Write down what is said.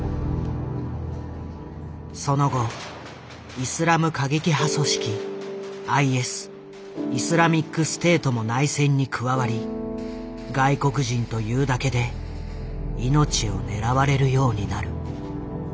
その後イスラム過激派組織ＩＳイスラミックステートも内戦に加わり外国人というだけで命を狙われるようになる。